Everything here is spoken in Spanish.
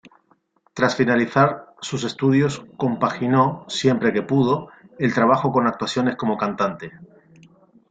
Tras finalizar sus estudios compaginó, siempre que pudo, el trabajo con actuaciones como cantante.